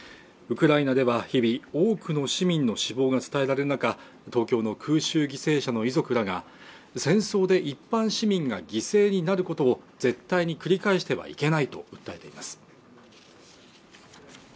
ウクライナでは日々多くの市民の死亡が伝えられる中東京の空襲犠牲者の遺族らが戦争で一般市民が犠牲になることを絶対に繰り返してはいけないと訴えています